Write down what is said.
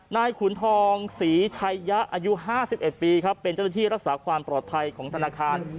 ขุนทองศรีชัยยะอายุ๕๑ปีครับเป็นเจ้าหน้าที่รักษาความปลอดภัยของธนาคาร